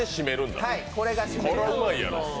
これが締めです。